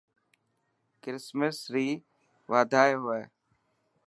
ڪرسمرس ري وڌائي هوئي.